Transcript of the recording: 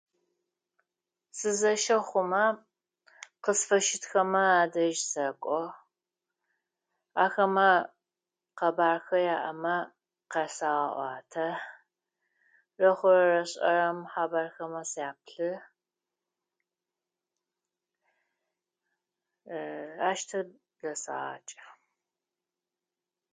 Сэзэщэ хъумэ къысфэщытхэмэ адэжь сэкӏо, ахэмэ къэбэрхэ яӏэмэ къэсаӏуатэ, рэхъурэ рэшӏэрэм хьэбэрхэмэ сяплъы ащтэ блысэгъакӏы.